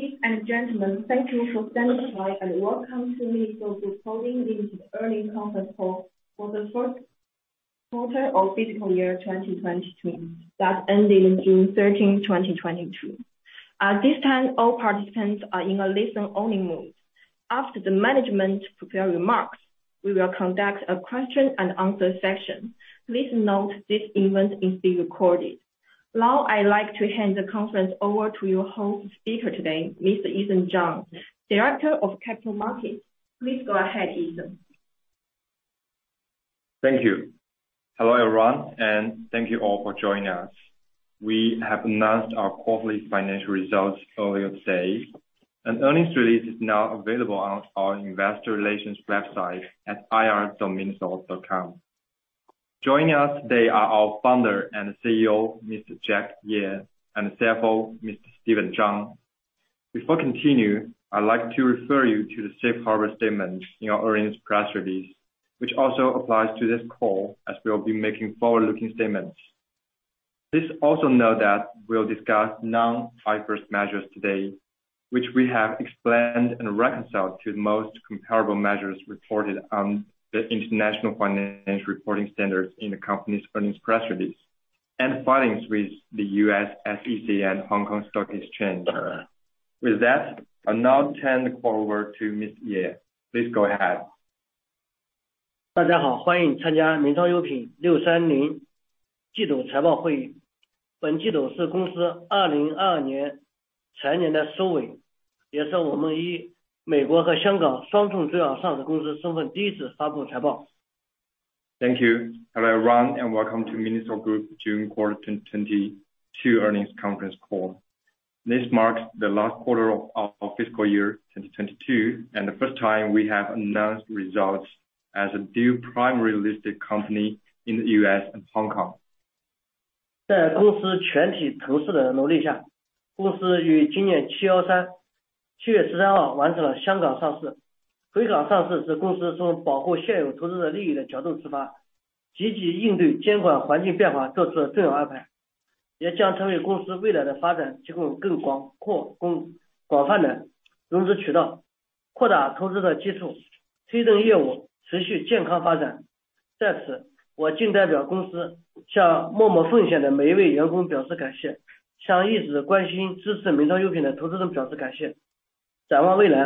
Ladies and gentlemen, thank you for standing by, and welcome to MINISO's recording of the earnings conference call for the first quarter of fiscal year 2022 that ended June 13, 2022. At this time, all participants are in a listen-only mode. After the management's prepared remarks, we will conduct a question and answer session. Please note this event is being recorded. Now, I'd like to hand the conference over to your host speaker today, Mr. Eason Zhang, Director of Capital Markets. Please go ahead, Eason. Thank you. Hello, everyone, and thank you all for joining us. We have announced our quarterly financial results earlier today, and earnings release is now available on our investor relations website at ir.miniso.com. Joining us today are our Founder and CEO, Mr. Jack Ye, and CFO, Mr. Steven Zhang. Before we continue, I'd like to refer you to the safe harbor statement in our earnings press release, which also applies to this call, as we'll be making forward-looking statements. Please also note that we'll discuss non-IFRS measures today, which we have explained and reconciled to the most comparable measures reported on the International Financial Reporting Standards in the company's earnings press release and filings with the U.S. SEC and Hong Kong Stock Exchange. With that, I'll now turn the call over to Mr. Ye. Please go ahead. Thank you. Hello, everyone, and welcome to MINISO Group June quarter 2022 earnings conference call. This marks the last quarter of our fiscal year 2022, and the first time we have announced results as a dual primary listed company in the U.S. and Hong Kong. Thanks to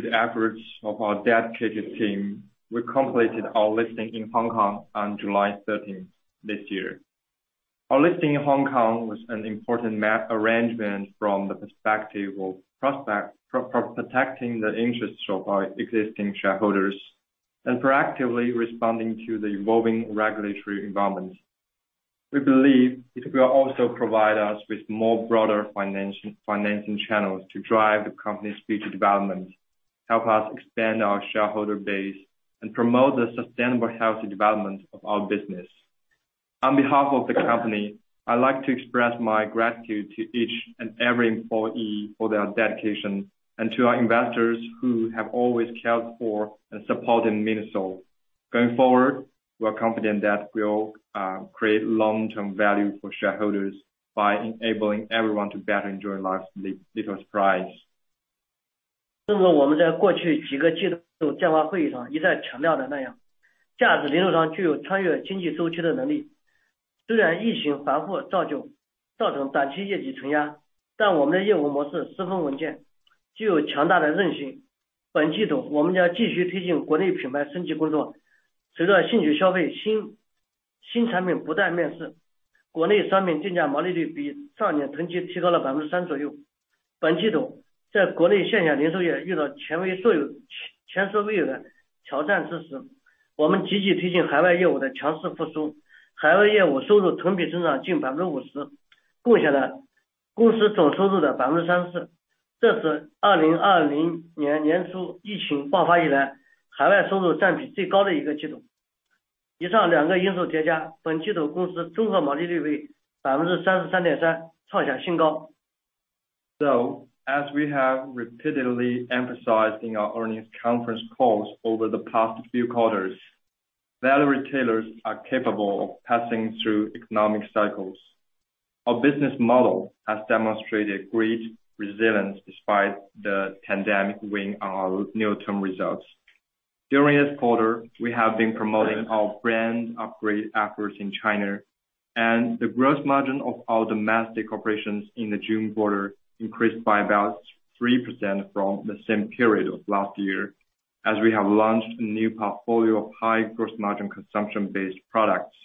the efforts of our dedicated team, we completed our listing in Hong Kong on July 13 this year. Our listing in Hong Kong was an important arrangement from the perspective of protecting the interests of our existing shareholders and proactively responding to the evolving regulatory environment. We believe it will also provide us with more broader financial channels to drive the company's future development, help us expand our shareholder base, and promote the sustainable healthy development of our business. On behalf of the company, I'd like to express my gratitude to each and every employee for their dedication, and to our investors who have always cared for and supported MINISO. Going forward, we're confident that we'll create long-term value for shareholders by enabling everyone to better enjoy life's little surprises. As we have repeatedly emphasized in our earnings conference calls over the past few quarters, value retailers are capable of passing through economic cycles. Our business model has demonstrated great resilience despite the pandemic weighing on our near-term results. During this quarter, we have been promoting our brand upgrade efforts in China, and the gross margin of our domestic operations in the June quarter increased by about 3% from the same period of last year, as we have launched a new portfolio of high gross margin consumption-based products.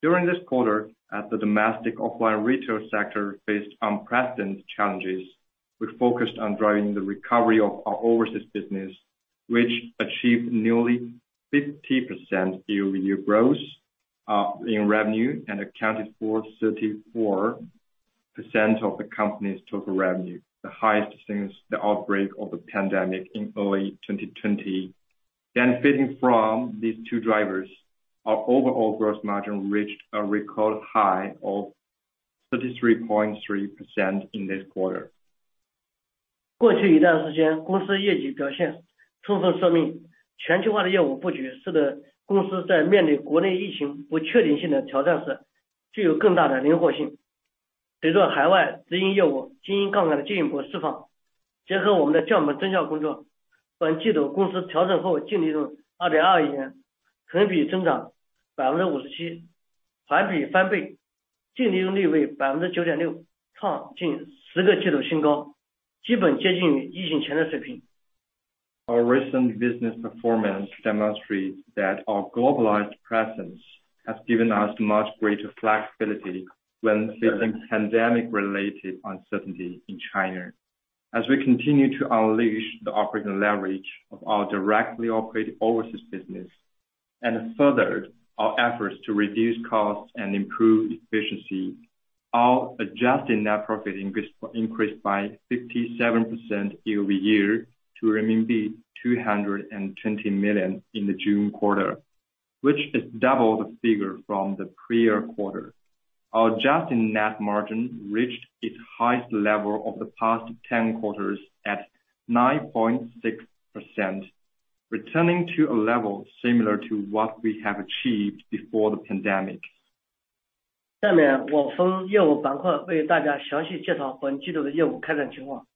During this quarter, the domestic offline retail sector faced unprecedented challenges. We focused on driving the recovery of our overseas business, which achieved nearly 50% year-over-year growth in revenue and accounted for 34% of the company's total revenue, the highest since the outbreak of the pandemic in early 2020. Benefiting from these two drivers, our overall gross margin reached a record high of 33.3% in this quarter. 过去一段时间，公司业绩表现充分说明全球化的业务布局使得公司在面对国内疫情不确定性的挑战时，具有更大的灵活性。随着海外直营业务经营杠杆的进一步释放，结合我们的降本增效工作，本季度公司调整后净利润2.2亿元，同比增长57%，环比翻倍。净利润率为9.6%，创近十个季度新高，基本接近疫情前的水平。Our recent business performance demonstrates that our globalized presence has given us much greater flexibility when facing pandemic-related uncertainty in China. As we continue to unleash the operating leverage of our directly operated overseas business and further our efforts to reduce costs and improve efficiency. Our adjusted net profit increased by 57% year-over-year to RMB 220 million in the June quarter, which is double the figure from the prior quarter. Our adjusted net margin reached its highest level of the past 10 quarters at 9.6%, returning to a level similar to what we have achieved before the pandemic. 下面我从业务板块为大家详细介绍本季度的业务开展情况。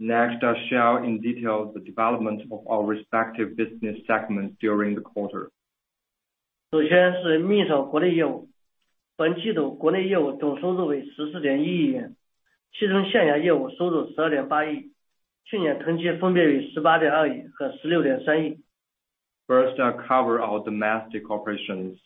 Next, I'll share in detail the development of our respective business segments during the quarter. 首先是MINISO国内业务。本季度国内业务总收入为14.1亿元，其中线下业务收入12.8亿，去年同期分别为18.2亿和16.3亿。First I'll cover our domestic operations.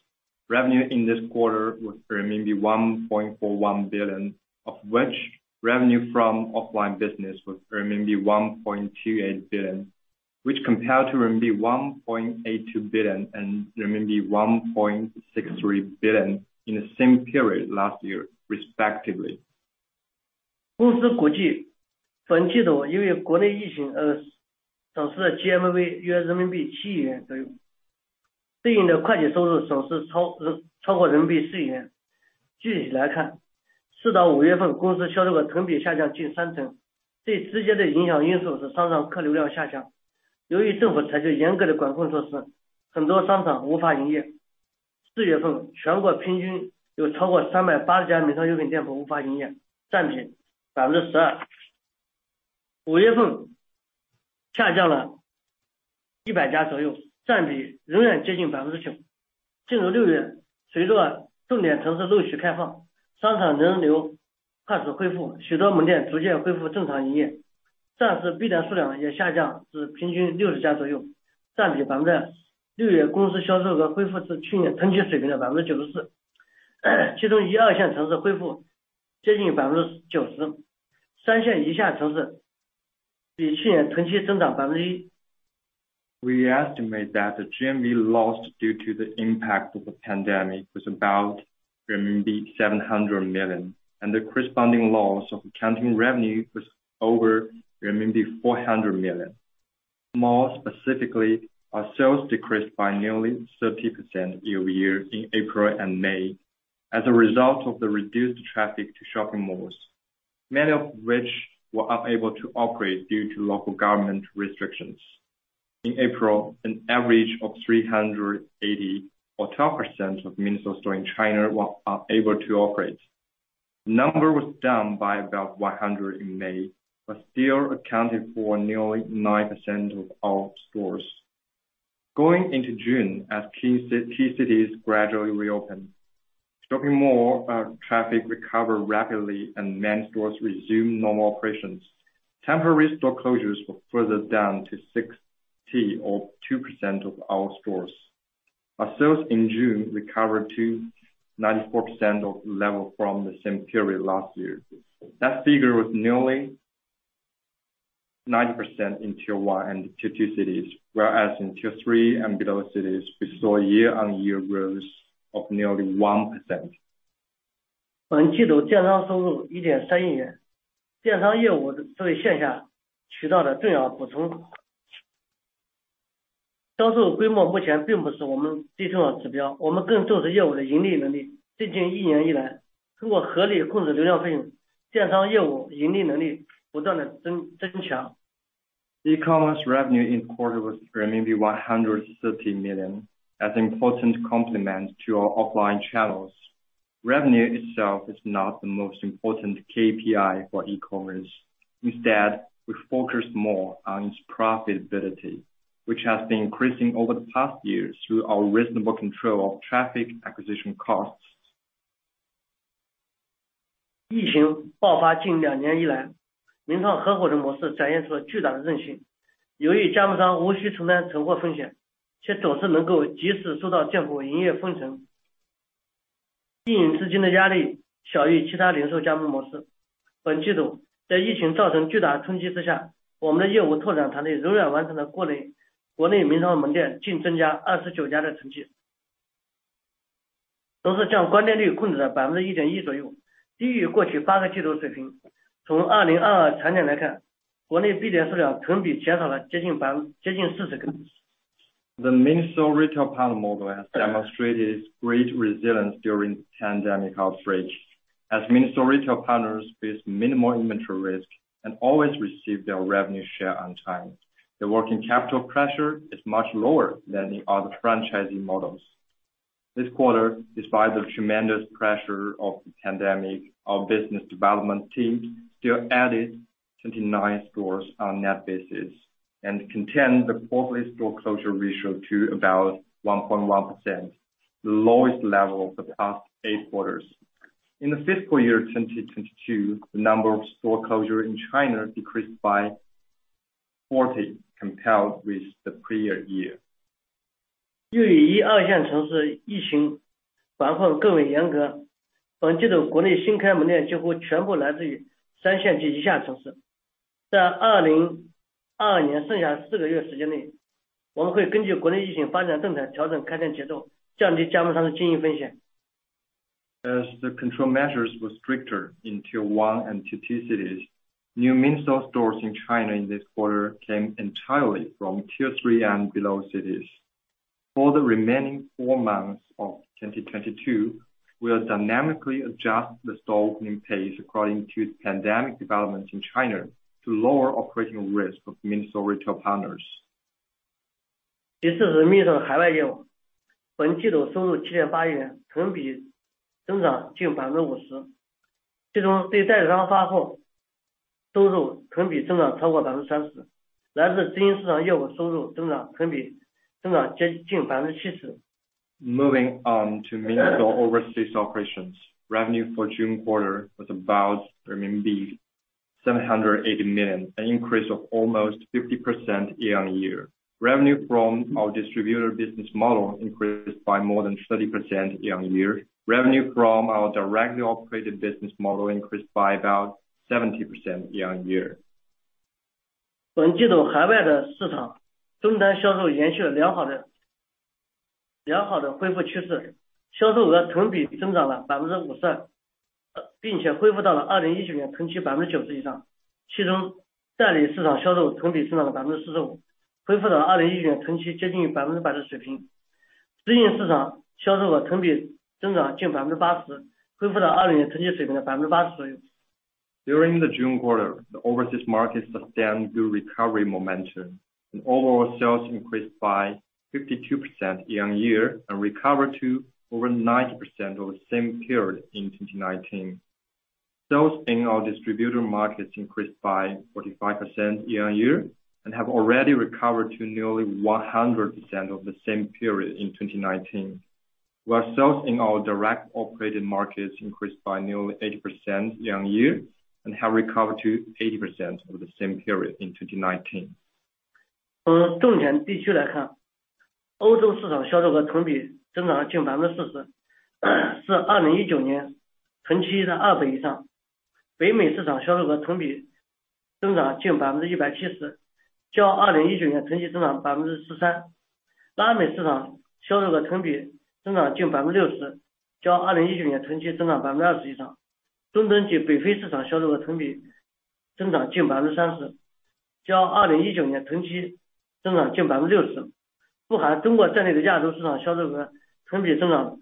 Revenue in this quarter was 1.41 billion, of which revenue from offline business was 1.28 billion, which compared to 1.82 billion and 1.63 billion in the same period last year, respectively. We estimate that the GMV lost due to the impact of the pandemic was about RMB 700 million, and the corresponding loss of accounting revenue was over RMB 400 million. More specifically, our sales decreased by nearly 30% year-over-year in April and May as a result of the reduced traffic to shopping malls, many of which were unable to operate due to local government restrictions. In April, an average of 380 or 12% of MINISO stores in China were unable to operate. The number was down by about 100 in May, but still accounted for nearly 9% of our stores. Going into June, as key cities gradually reopened, shopping mall traffic recovered rapidly and many stores resumed normal operations. Temporary store closures were further down to 60 or 2% of our stores. Our sales in June recovered to 94% of the level from the same period last year. That figure was nearly 90% in Tier 1 and Tier 2 cities, whereas in Tier 3 and below cities we saw a year-on-year growth of nearly 1%. 本季度电商收入1.3亿元。电商业务作为线下渠道的重要补充，销售规模目前并不是我们最重要的指标，我们更重视业务的盈利能力。最近一年以来，通过合理控制流量费用，电商业务盈利能力不断地增强。E-commerce revenue in quarter was 130 million. As an important complement to our offline channels, revenue itself is not the most important KPI for e-commerce. Instead, we focus more on its profitability, which has been increasing over the past years through our reasonable control of traffic acquisition costs. 疫情爆发近两年以来，MINISO合伙人模式展现出了巨大的韧性。由于加盟商无需承担存货风险，且总是能够及时收到店铺营业分成，经营资金的压力小于其他零售加盟模式。本季度，在疫情造成巨大冲击之下，我们的业务拓展团队仍然完成了国内MINISO门店净增加29家的成绩。同时，关店率控制在1.1%左右，低于过去八个季度的水平。从2022全年来看，国内闭店数量同比减少了接近40间。The MINISO Retail Partner model has demonstrated great resilience during pandemic outbreak. As MINISO retail partners face minimal inventory risk and always receive their revenue share on time, the working capital pressure is much lower than in other franchising models. This quarter, despite the tremendous pressure of the pandemic, our business development team still added 29 stores on net basis and contained the quarterly store closure ratio to about 1.1%, the lowest level of the past eight quarters. In the fiscal year 2022, the number of store closure in China decreased by 40 compared with the prior year. 由于一、二线城市疫情防控更为严格，本季度国内新开门店几乎全部来自于三线及以下城市。在2022年剩下四个月时间内，我们会根据国内疫情发展动态调整开店节奏，降低加盟商的经营风险。As the control measures was stricter in tier one and tier two cities, new MINISO stores in China in this quarter came entirely from tier three and below cities. For the remaining four months of 2022, we'll dynamically adjust the store opening pace according to pandemic development in China to lower operational risk of MINISO retail partners. 第四是MINISO海外业务。本季度收入7.8亿元，同比增长近50%。其中对代理商发货收入同比增长超过30%。来自直营市场业务收入增长，同比增长接近70%。Moving on to MINISO overseas operations. Revenue for June quarter was about 780 million, an increase of almost 50% year-on-year. Revenue from our distributor business model increased by more than 30% year-on-year. Revenue from our directly operated business model increased by about 70% year-on-year. 本季度海外市场同店销售延续了良好的恢复趋势，销售额同比增长了52%，并且恢复到了2019年同期90%以上。其中代理市场销售同比上涨了45%，恢复到2019年同期接近于100%的水平。直营市场销售额同比增长近80%，恢复到2019年同期水平的80%左右。During the June quarter, the overseas market sustained good recovery momentum. Overall sales increased by 52% year-over-year, and recovered to over 90% over the same period in 2019. Sales in our distributor markets increased by 45% year-over-year, and have already recovered to nearly 100% of the same period in 2019. While sales in our direct operated markets increased by nearly 80% year-over-year, and have recovered to 80% over the same period in 2019. By regions,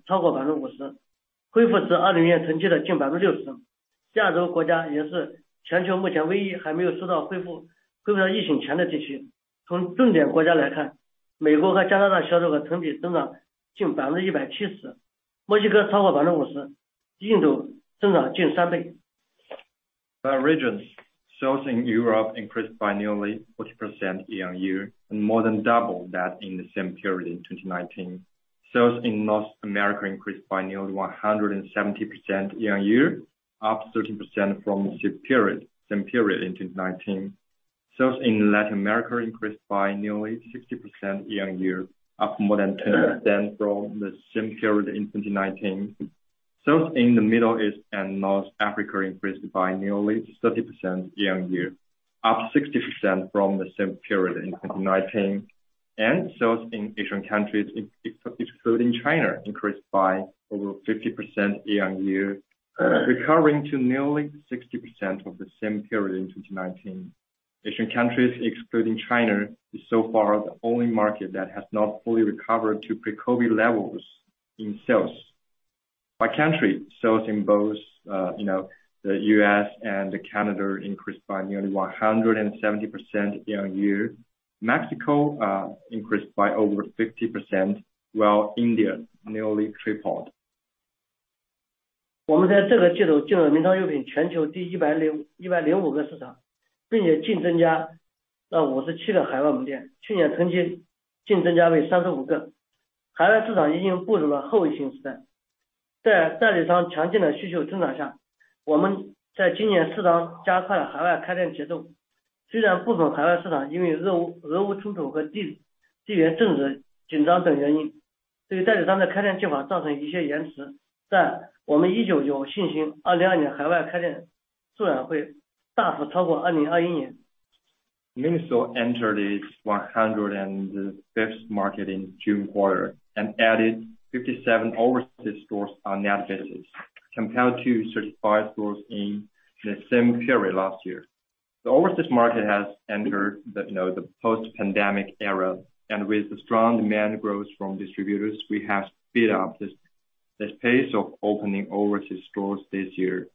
sales in Europe increased by nearly 40% year-on-year, and more than double that in the same period in 2019. Sales in North America increased by nearly 170% year-on-year, up 13% from the same period in 2019. Sales in Latin America increased by nearly 60% year-on-year, up more than 10% from the same period in 2019. Sales in the Middle East and North Africa increased by nearly 30% year-on-year, up 60% from the same period in 2019. Sales in Asian countries, excluding China, increased by over 50% year-on-year, recovering to nearly 60% of the same period in 2019. Asian countries, excluding China, is so far the only market that has not fully recovered to pre-COVID-19 levels in sales. By country, sales in both, you know, the U.S. and Canada increased by nearly 170% year-on-year. Mexico increased by over 50%, while India nearly tripled. 我们在这个季度进入了名创优品全球第一百零五个市场，并且净增加到五十七个海外门店。去年同期净增加为三十五个。海外市场已经步入了后疫情时代。在代理商强劲的需求增长下，我们在今年适当加快了海外开店节奏。虽然部分海外市场因为俄乌冲突和地缘政治紧张等原因，对于代理商的开店计划造成一些延迟，但我们依旧有信心二零二二年海外开店数量会大幅超过二零二一年。MINISO entered its 105th market in June quarter, and added 57 overseas stores on net basis, compared to 35 stores in the same period last year. The overseas market has entered the, you know, the post-pandemic era, and with the strong demand growth from distributors, we have sped up the pace of opening overseas stores this year.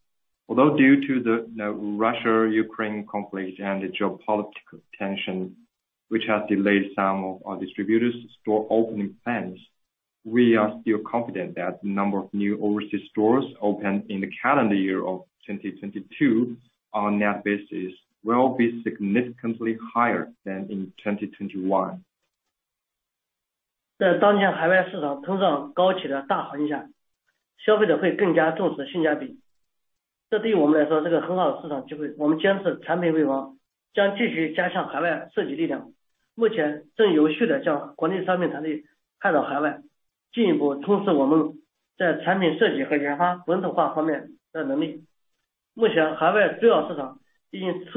Although due to the Russia-Ukraine conflict and the geopolitical tension, which has delayed some of our distributors' store opening plans, we are still confident that the number of new overseas stores opened in the calendar year of 2022 on net basis will be significantly higher than in 2021. 在当前海外市场通胀高企的大环境下，消费者会更加重视性价比。这对于我们来说是个很好的市场机会。我们坚持产品为王，将继续加强海外设计力量。目前正有序地将国内商品团队派到海外，进一步透视我们在产品设计和研发本土化方面的能力。目前海外主要市场已经初步具有了7-1-1的产品上线能力。下一步，我们将重点打造海外私盘货，拉美、北美、东南亚和欧洲，为当地消费者提供更好的、更多更好的商品。我们将继续依靠中国强大的供应链管理能力，做好中国供应链出海的故事。Under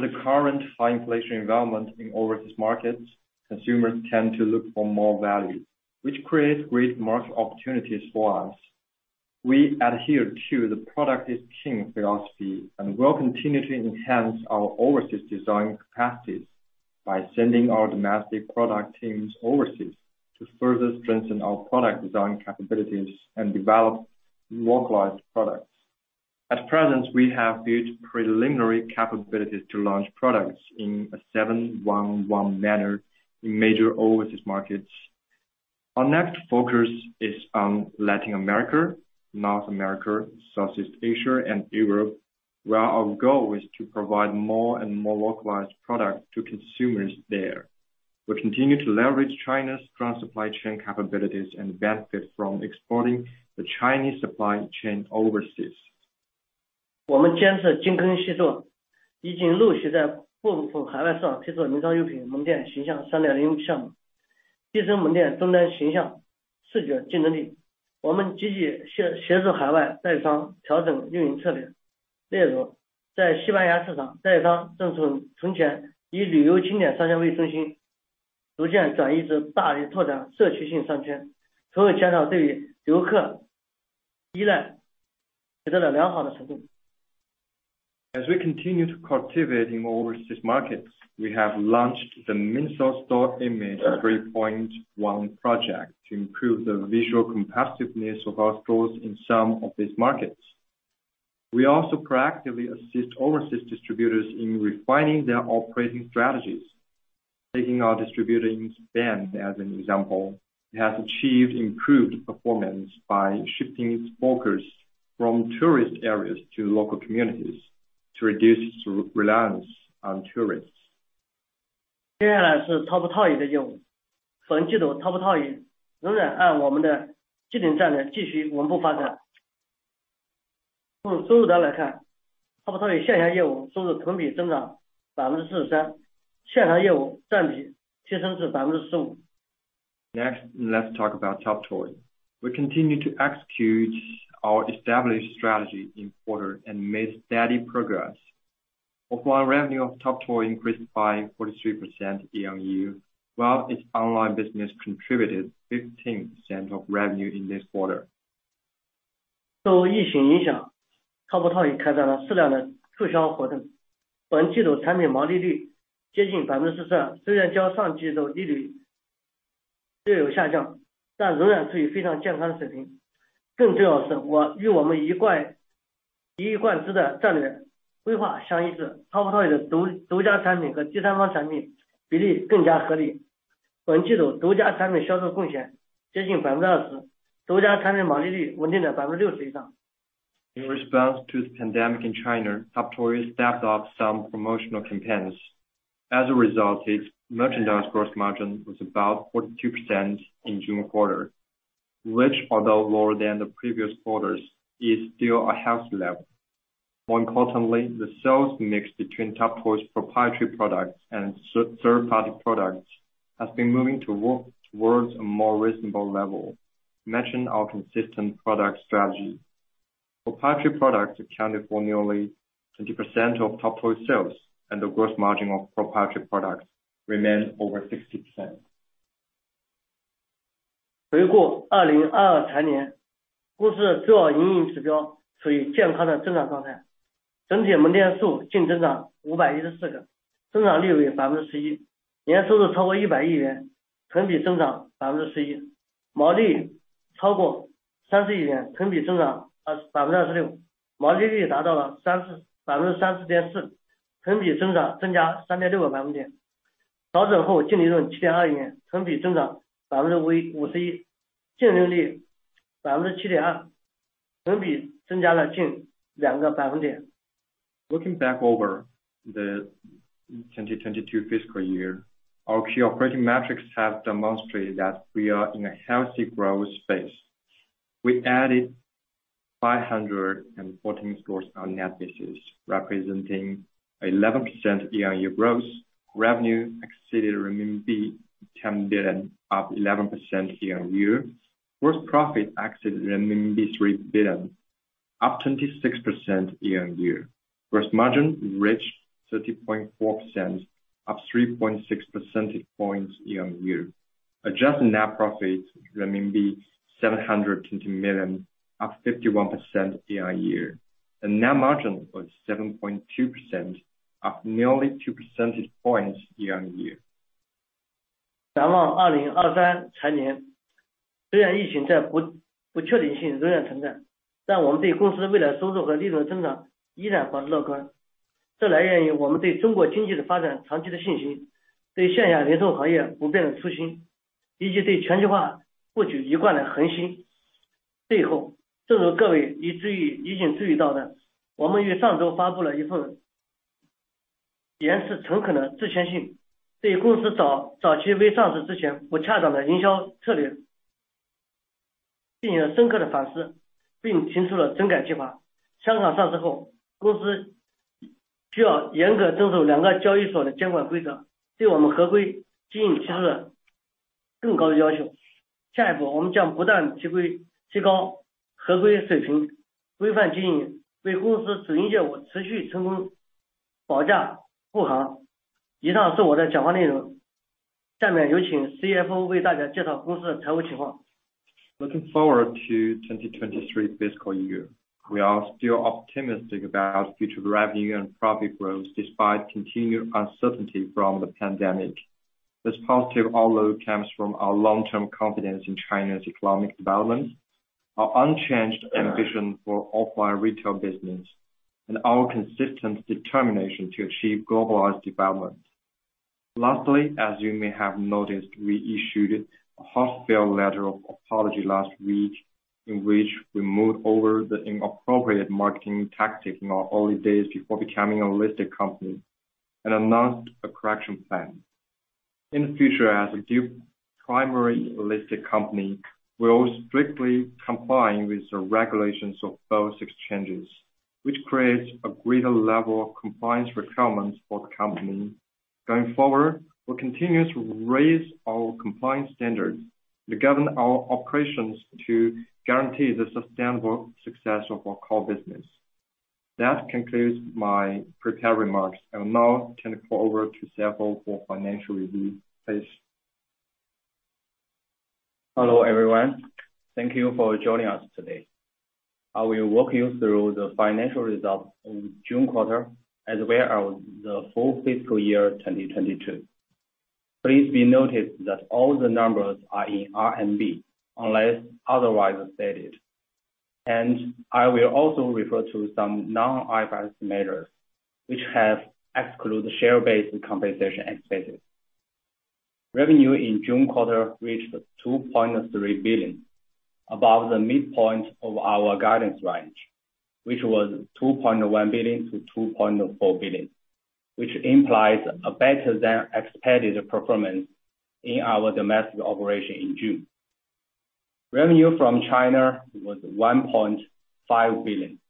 the current high inflation environment in overseas markets, consumers tend to look for more value, which creates great market opportunities for us. We adhere to the product is king philosophy, and will continue to enhance our overseas design capacities by sending our domestic product teams overseas to further strengthen our product design capabilities and develop localized products. At present, we have built preliminary capabilities to launch products in a 7-1-1 manner in major overseas markets. Our next focus is on Latin America, North America, Southeast Asia, and Europe, where our goal is to provide more and more localized products to consumers there. We'll continue to leverage China's strong supply chain capabilities and benefit from exporting the Chinese supply chain overseas. As we continue to cultivate in overseas markets, we have launched the MINISO Store Image 3.1 Project to improve the visual competitiveness of our stores in some of these markets. We also proactively assist overseas distributors in refining their operating strategies. Taking our distributor in Spain as an example, it has achieved improved performance by shifting its focus from tourist areas to local communities to reduce reliance on tourists. 接下来是TOP TOY的业务。本季度，TOP TOY仍然按我们的既定战略继续稳步发展。从收入上来看，TOP TOY线下业务收入同比增长43%，线上业务占比提升至15%。Next, let's talk about TOP TOY. We continue to execute our established strategy in quarter and made steady progress. Overall revenue of TOP TOY increased by 43% year-on-year, while its online business contributed 15% of revenue in this quarter. 受疫情影响，TOP TOY开展了适量的促销活动。本季度产品毛利率接近42%，虽然较上季度略有下降，但仍然处于非常健康的水平。更重要的是，与我们一以贯之的战略规划相一致。TOP TOY的独家产品和第三方产品比例更加合理。本季度独家产品销售贡献接近20%，独家产品毛利率稳定在60%以上。In response to the pandemic in China, TOP TOY stepped up some promotional campaigns. As a result, its merchandise gross margin was about 42% in June quarter, which although lower than the previous quarters, is still a healthy level. More importantly, the sales mix between TOP TOY's proprietary products and third-party products has been moving towards a more reasonable level, matching our consistent product strategy. Proprietary products accounted for nearly 20% of TOP TOY sales, and the gross margin of proprietary products remained over 60%. Looking back over the 2022 fiscal year, our key operating metrics have demonstrated that we are in a healthy growth space. We added 514 stores on net basis, representing 11% year-on-year growth. Revenue exceeded RMB 10 billion, up 11% year-on-year. Gross profit exceeded RMB 3 billion, up 26% year-on-year. Gross margin reached 30.4%, up 3.6 percentage points year-on-year. Adjusted net profit 720 million, up 51% year-on-year. The net margin was 7.2%, up nearly 2 percentage points year-on-year. Looking forward to the 2023 fiscal year, we are still optimistic about future revenue and profit growth despite continued uncertainty from the pandemic. This positive outlook comes from our long-term confidence in China's economic development, our unchanged ambition for offline retail business, and our consistent determination to achieve globalized development. Lastly, as you may have noticed, we issued a heartfelt letter of apology last week, in which we mourned over the inappropriate marketing tactic in our early days before becoming a listed company, and announced a correction plan. In the future, as a dual primary listed company, we will strictly comply with the regulations of both exchanges, which creates a greater level of compliance requirements for the company. Going forward, we'll continue to raise our compliance standards to govern our operations to guarantee the sustainable success of our core business. That concludes my prepared remarks. I will now turn the call over to Saiyin Zhang for financial review. Please. Hello, everyone. Thank you for joining us today. I will walk you through the financial results of June quarter, as well as the full fiscal year 2022. Please be noted that all the numbers are in RMB, unless otherwise stated. I will also refer to some non-IFRS measures, which exclude share-based compensation expenses. Revenue in June quarter reached 2.3 billion, above the midpoint of our guidance range, which was 2.1 billion-2.4 billion, which implies a better than expected performance in our domestic operation in June. Revenue from China was 1.5 billion,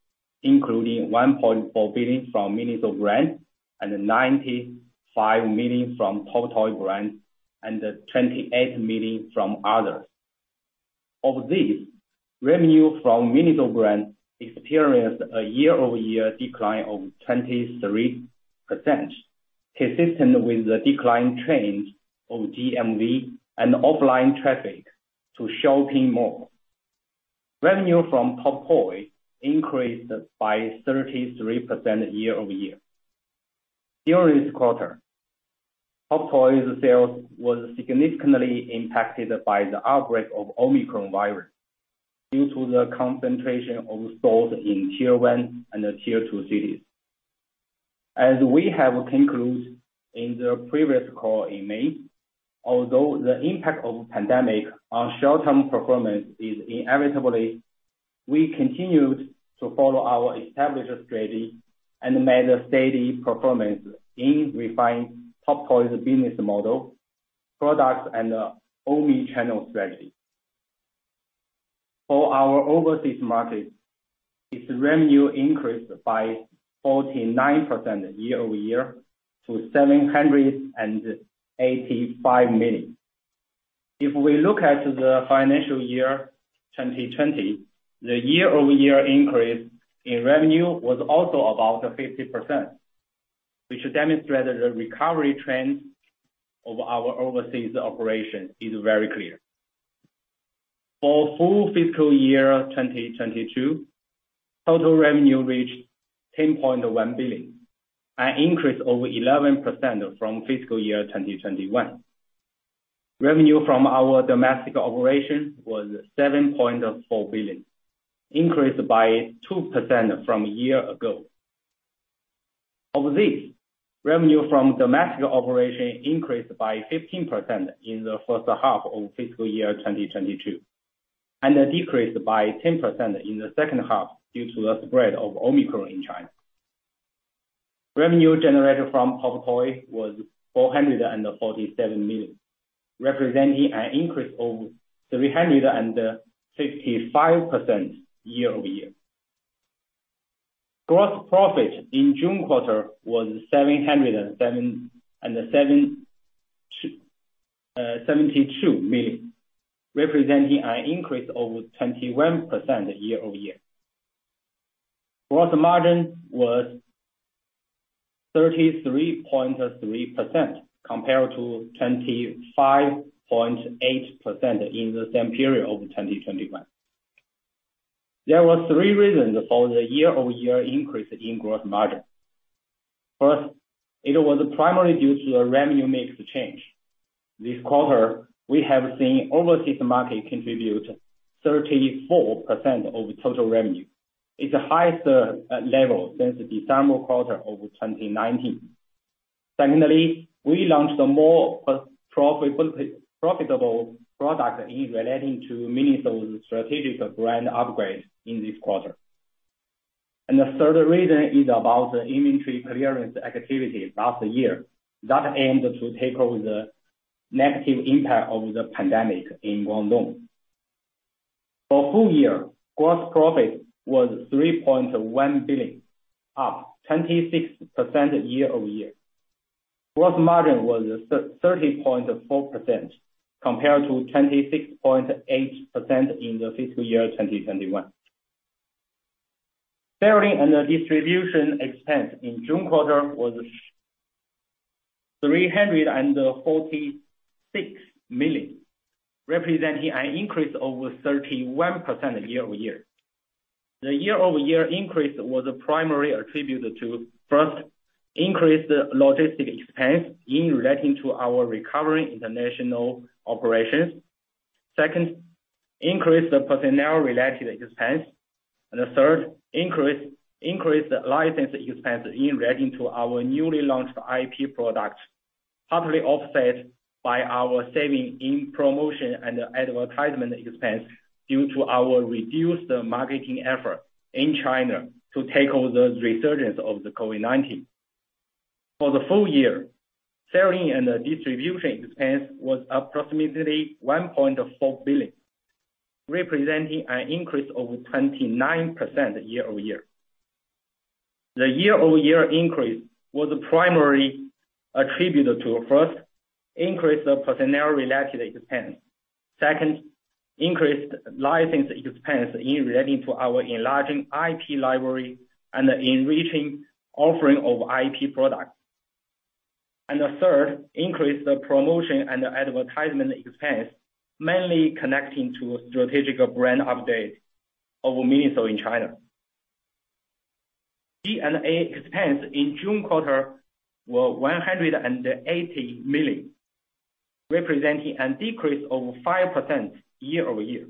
including 1.4 billion from MINISO brand, and 95 million from TOP TOY brand, and 28 million from others. Of this, revenue from MINISO brand experienced a year-over-year decline of 23%, consistent with the decline trend of GMV and offline traffic to shopping malls. Revenue from TOP TOY increased by 33% year-over-year. During this quarter, TOP TOY's sales was significantly impacted by the outbreak of Omicron virus due to the concentration of stores in Tier 1 and Tier 2 cities. As we have concluded in the previous call in May, although the impact of pandemic on short-term performance is inevitable, we continued to follow our established strategy and made a steady performance in refined TOP TOY's business model, products, and omni-channel strategy. For our overseas markets, its revenue increased by 49% year-over-year to 785 million. If we look at the financial year 2020, the year-over-year increase in revenue was also above 50%, which demonstrated the recovery trend of our overseas operation is very clear. For full fiscal year 2022, total revenue reached RMB 10.1 billion, an increase over 11% from fiscal year 2021. Revenue from our domestic operation was 7.4 billion, increased by 2% from a year ago. Of this, revenue from domestic operation increased by 15% in the first half of fiscal year 2022, and decreased by 10% in the second half due to the spread of Omicron in China. Revenue generated from TOP TOY was 447 million, representing an increase of 355% year-over-year. Gross profit in June quarter was 772 million, representing an increase of 21% year-over-year. Gross margin was 33.3% compared to 25.8% in the same period of 2021. There were three reasons for the year-over-year increase in gross margin. First, it was primarily due to a revenue mix change. This quarter, we have seen overseas market contribute 34% of total revenue. It's the highest level since the December quarter of 2019. Secondly, we launched a more profitable product in relation to MINISO's strategic brand upgrade in this quarter. The third reason is about the inventory clearance activity last year, that aimed to take over the negative impact of the pandemic in Guangdong. For full year, gross profit was 3.1 billion, up 26% year-over-year. Gross margin was 30.4% compared to 26.8% in the fiscal year 2021. Selling and distribution expense in June quarter was 346 million, representing an increase of 31% year-over-year. The year-over-year increase was primarily attributed to, first, increased logistics expense in relation to our recovering international operations. Second, increased personnel related expense. The third, increased license expense in relating to our newly launched IP products, partly offset by our saving in promotion and advertisement expense due to our reduced marketing effort in China to tackle the resurgence of the COVID-19. For the full year, selling and distribution expense was approximately 1.4 billion, representing an increase of 29% year-over-year. The year-over-year increase was primarily attributed to, first, increase of personnel related expense. Second, increased license expense in relating to our enlarging IP library and enriching offering of IP products. The third, increased promotion and advertisement expense, mainly connecting to a strategic brand update of MINISO in China. G&A expense in June quarter were 180 million, representing a decrease of 5% year-over-year.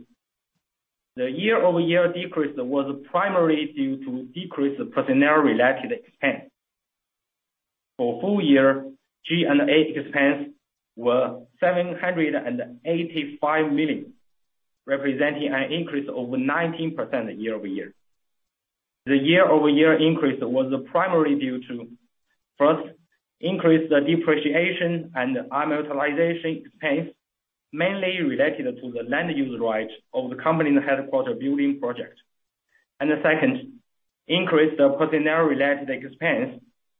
The year-over-year decrease was primarily due to decreased personnel related expense. For full year, G&A expense were 785 million, representing an increase of 19% year-over-year. The year-over-year increase was primarily due to, first, increased depreciation and amortization expense, mainly related to the land use right of the company's headquarters building project. The second, increased personnel related expense,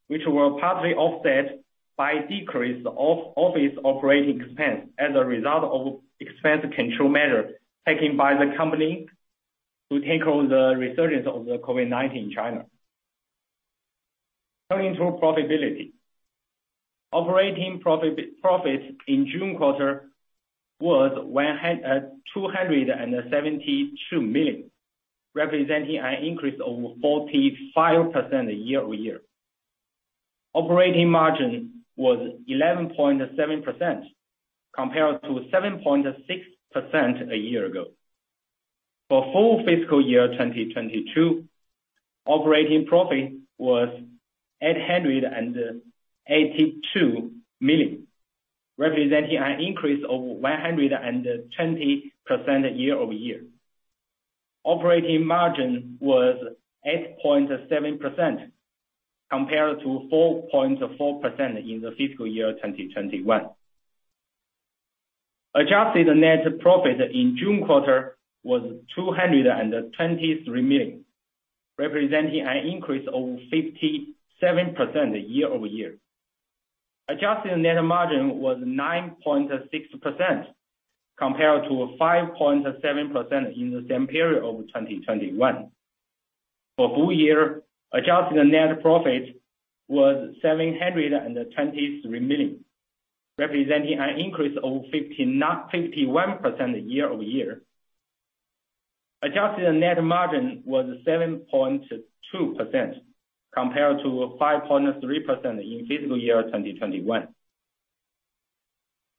which were partly offset by decrease of office operating expense as a result of expense control measure taken by the company to tackle the resurgence of the COVID-19 in China. Turning to profitability. Operating profit in June quarter was 272 million, representing an increase of 45% year-over-year. Operating margin was 11.7% compared to 7.6% a year ago. For full fiscal year 2022, operating profit was 882 million, representing an increase of 120% year-over-year. Operating margin was 8.7% compared to 4.4% in the fiscal year 2021. Adjusted net profit in June quarter was 223 million, representing an increase of 57% year-over-year. Adjusted net margin was 9.6%, compared to 5.7% in the same period of 2021. For full year, adjusted net profit was 723 million, representing an increase of 51% year-over-year. Adjusted net margin was 7.2%, compared to 5.3% in fiscal year 2021.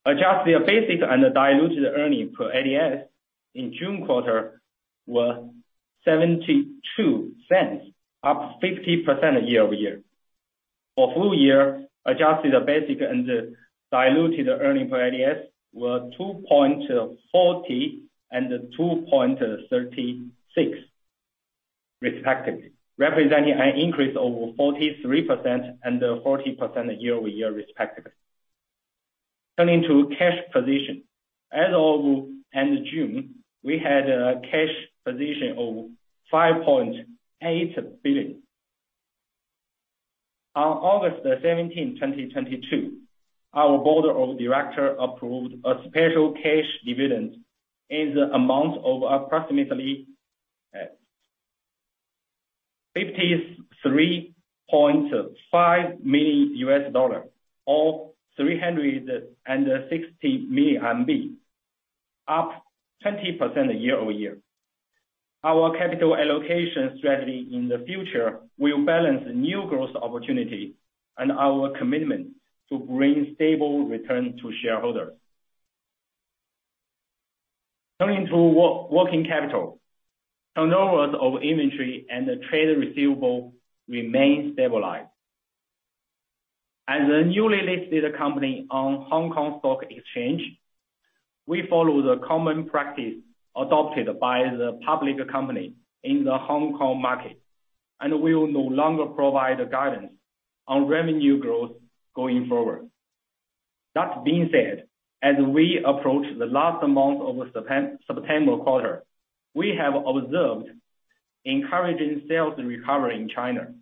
Adjusted basic and diluted earnings per ADS in June quarter were 0.72, up 50% year-over-year. For full year, adjusted basic and diluted earnings per ADS were 2.40 and 2.36 respectively, representing an increase of 43% and 40% year-over-year respectively. Turning to cash position. As of end of June, we had a cash position of 5.8 billion. On August 17, 2022, our board of directors approved a special cash dividend in the amount of approximately $53.5 million or RMB 360 million, up 20% year-over-year. Our capital allocation strategy in the future will balance new growth opportunities and our commitment to bring stable returns to shareholders. Turning to working capital. Turnovers of inventory and trade receivable remain stabilized. As a newly listed company on The Stock Exchange of Hong Kong, we follow the common practice adopted by the public company in the Hong Kong market, and we will no longer provide guidance on revenue growth going forward. That being said, as we approach the last month of the September quarter, we have observed encouraging sales recovery in China,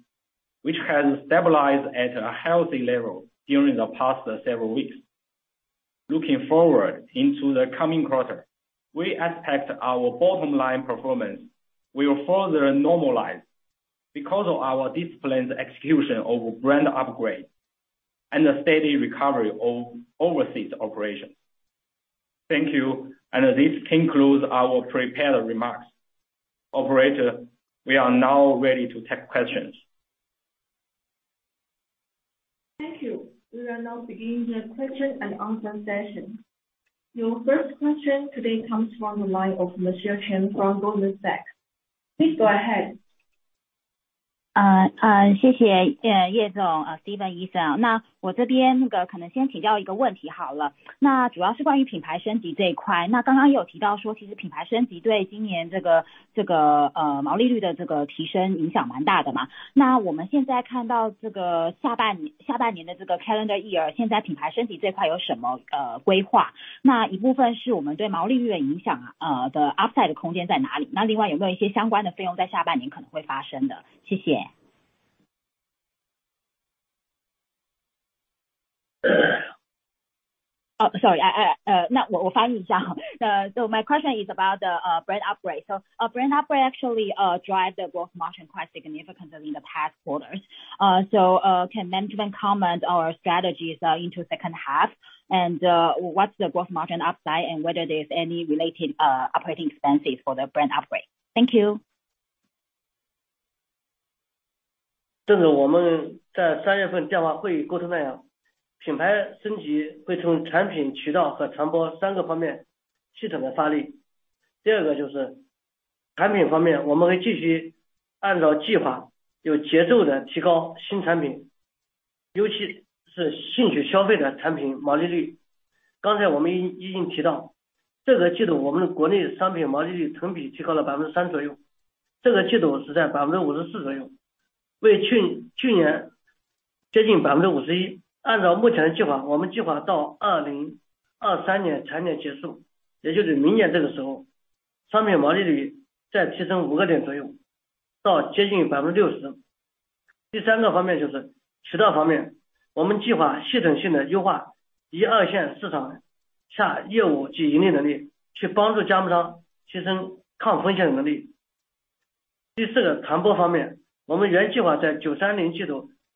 which has stabilized at a healthy level during the past several weeks. Looking forward into the coming quarter, we expect our bottom line performance will further normalize because of our disciplined execution of brand upgrades and the steady recovery of overseas operations. Thank you. This concludes our prepared remarks. Operator, we are now ready to take questions. Thank you. We will now begin the question and answer session. Your first question today comes from the line of Michelle Cheng from Goldman Sachs. Please go ahead. My question is about the brand upgrade. Our brand upgrade actually drive the gross margin quite significantly in the past quarters. Can management comment on our strategies in the second half and what's the gross margin upside and whether there's any related operating expenses for the brand upgrade? Thank you. Okay.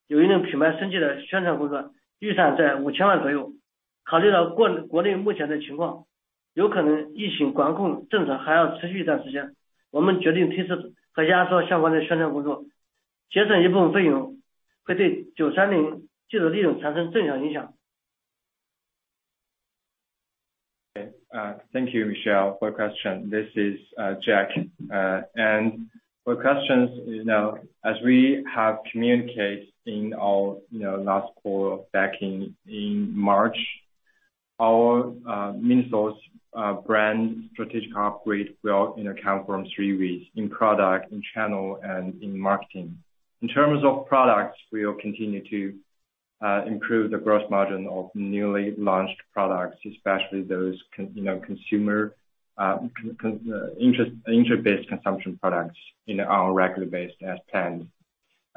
Thank you, Michelle Cheng, for your question. This is Jack Ye. For questions, you know, as we have communicated in our, you know, last call back in March, our MINISO's brand strategic upgrade will account from three ways in product, in channel, and in marketing. In terms of products, we will continue to improve the gross margin of newly launched products, especially those consumer interest-based consumption products in our regular base as planned.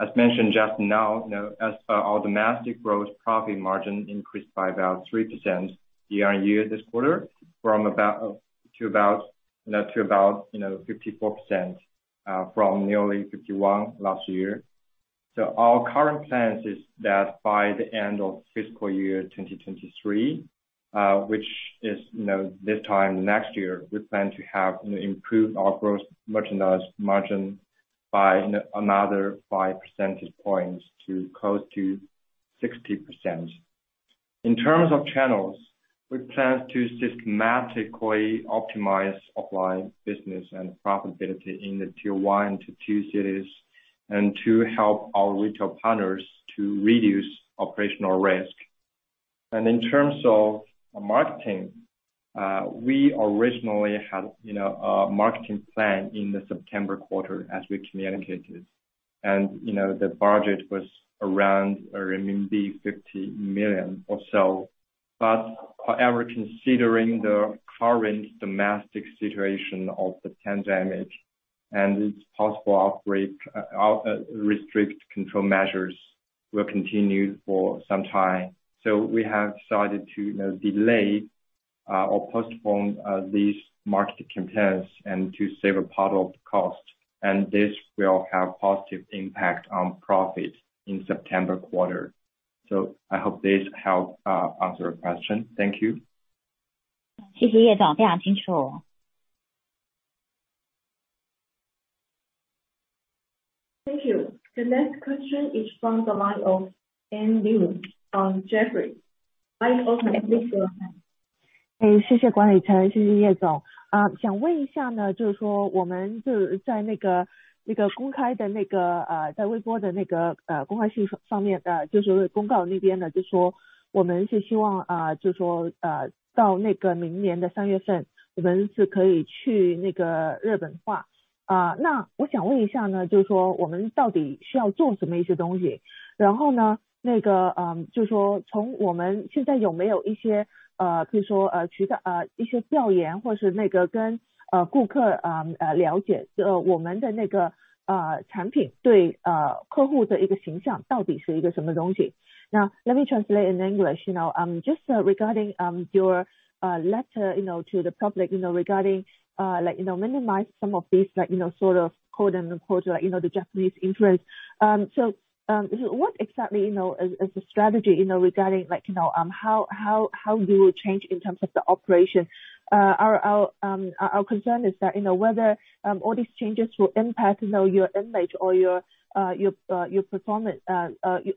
As mentioned just now, you know, as our domestic gross profit margin increased by about 3% year-on-year this quarter to about 54%, from nearly 51% last year. Our current plan is that by the end of fiscal year 2023, which is, you know, this time next year, we plan to have, you know, improved our gross merchandise margin by another 5 percentage points to close to 60%. In terms of channels, we plan to systematically optimize offline business and profitability in the tier 1 to 2 cities and to help our retail partners to reduce operational risk. In terms of marketing We originally had, you know, a marketing plan in the September quarter as we communicated. The budget was around RMB 50 million or so. However, considering the current domestic situation of the pandemic, and its possible outbreak, strict control measures will continue for some time. We have decided to, you know, delay or postpone these marketing campaigns and to save a part of the cost, and this will have positive impact on profit in September quarter. I hope this helped answer your question. Thank you. Thank you. The next question is from the line of Anne Ling from Jefferies. Operator, please go ahead. Now let me translate in English. You know, just regarding your letter, you know, to the public, you know, regarding like, you know, minimize some of these, like, you know, sort of quote, unquote, you know, the Japanese influence. What exactly, you know, is the strategy, you know, regarding like, you know, how you will change in terms of the operation? Our concern is that, you know, whether all these changes will impact, you know, your image or your performance,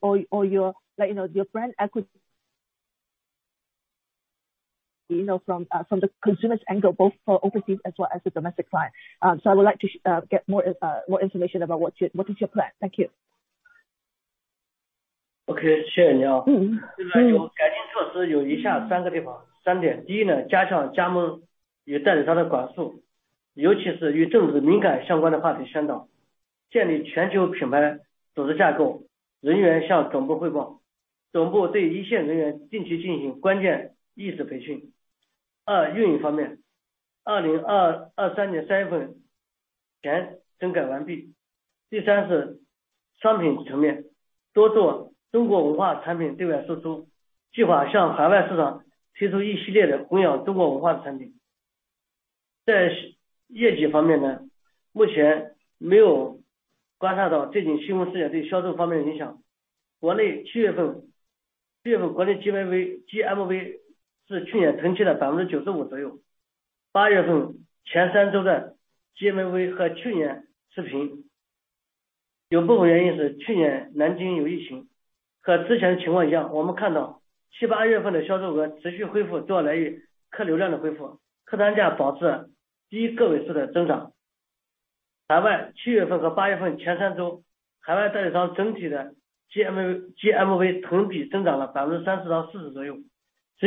or your, like, you know, your brand equity. You know, from the consumer's angle, both for overseas as well as the domestic side. I would like to get more information about what's your, what is your plan. Thank you. Okay. Now, let me translate in English. You know, just regarding your letter, you know, to the public, you know, regarding like you know MINISO some of these like you know sort of quote, unquote you know the Japanese influence. What exactly you know is the strategy you know regarding like you know how you will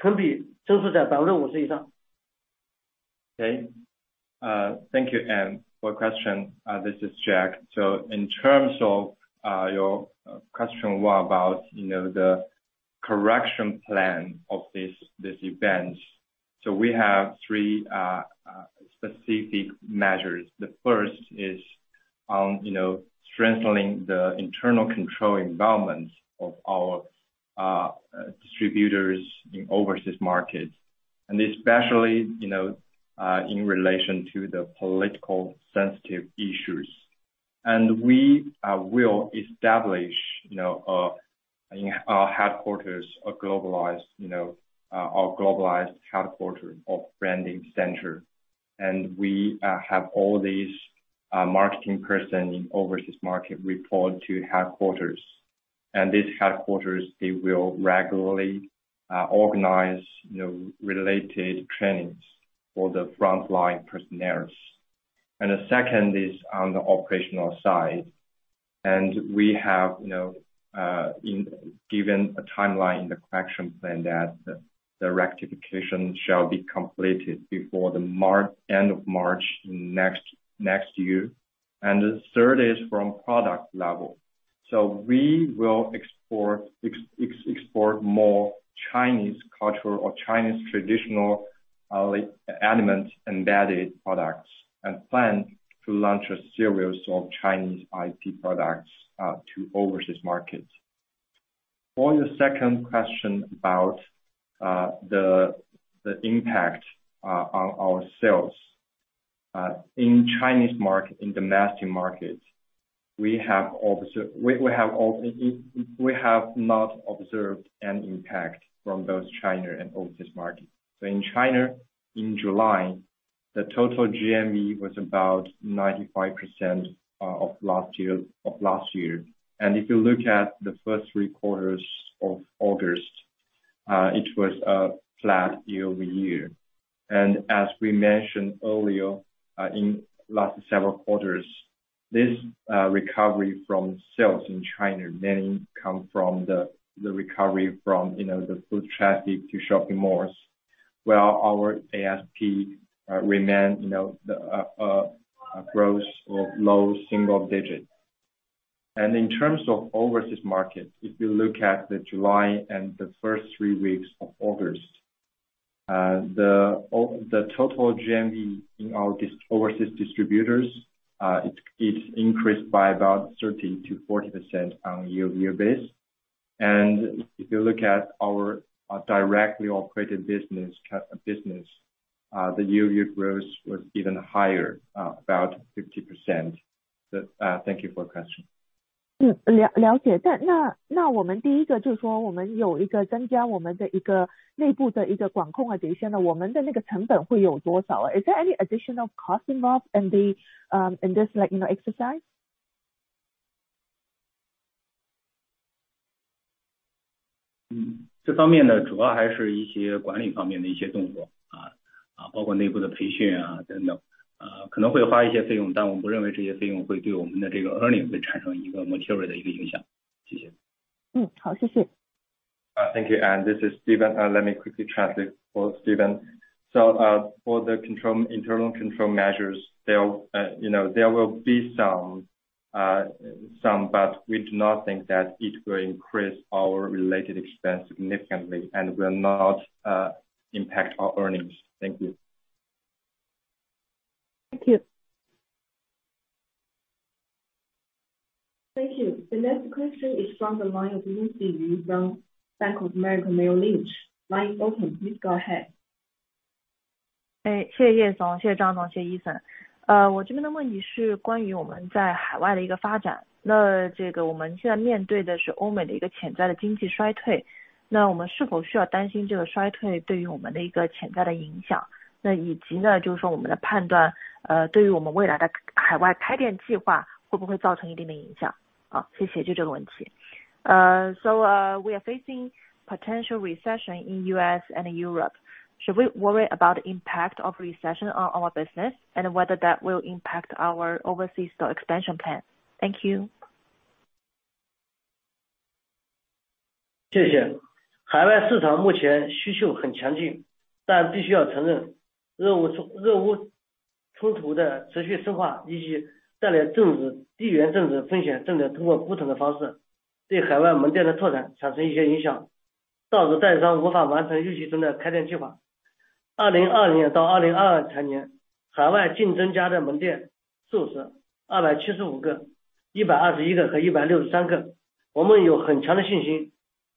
change in terms of the operation? Our concern is that you know whether all these changes will impact you know your image or your your performance or your like you know your brand equity. You know from the consumer's angle, both for overseas as well as the domestic side. I would like to get more more information about what's your what is your plan. Thank you. This recovery from sales in China mainly come from the recovery from, you know, the foot traffic to shopping malls. While our ASP remain, you know, growth or low single digits. In terms of overseas markets, if you look at in July and the first three weeks of August, the total GMV in our overseas distributors, it's increased by about 30%-40% on a year-over-year basis. If you look at our directly operating business, the year-over-year growth was even higher, about 50%. Thank you for your question. Is there any additional cost involved in the, in this, like, you know, exercise? Thank you. This is Steven. Let me quickly translate for Steven. For internal control measures, you know, there will be some, but we do not think that it will increase our related expense significantly and will not impact our earnings. Thank you. Thank you. Thank you. The next question is from the line of Lucy Yu from Bank of America Merrill Lynch. Line open. Please go ahead. Thank you, Lucy. This is Jack.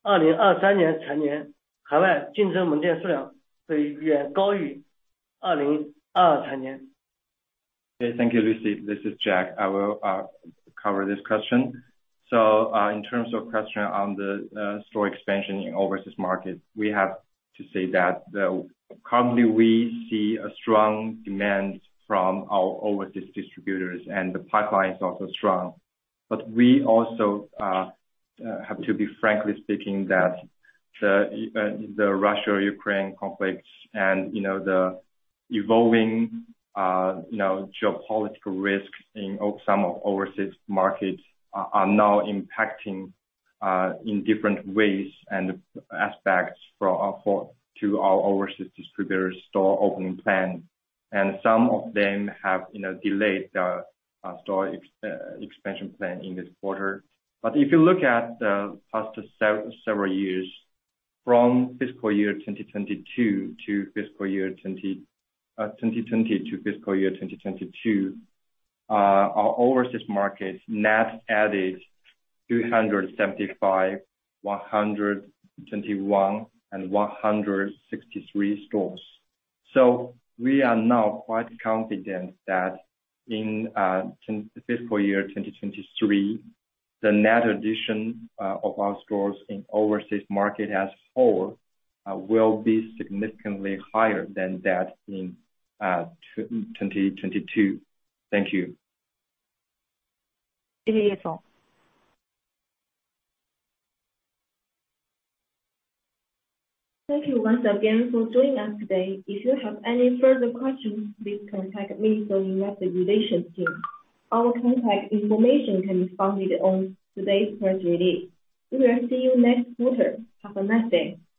I will cover this question. In terms of question on the store expansion in overseas markets, we have to say that currently we see a strong demand from our overseas distributors and the pipeline is also strong. But we also have to be frankly speaking that the Russia-Ukraine conflicts and, you know, the evolving you know, geopolitical risk in some of overseas markets are now impacting in different ways and aspects to our overseas distributors' store opening plans. Some of them have, you know, delayed their store expansion plan in this quarter. If you look at past several years, from fiscal year 2020 to fiscal year 2022, our overseas markets net added 275, 121, and 163 stores. We are now quite confident that in fiscal year 2023, the net addition of our stores in overseas markets as a whole will be significantly higher than that in 2022. Thank you. Thank you once again for joining us today. If you have any further questions, please contact me or Investor Relations team. Our contact information can be found on today's press release. We will see you next quarter. Have a nice day.